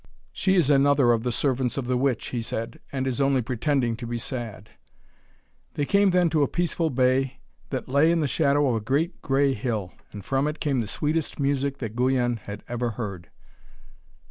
'She is another of the servants of the witch,' he said, 'and is only pretending to be sad.' They came then to a peaceful bay that lay in the shadow of a great grey hill, and from it came the sweetest music that Guyon had ever heard.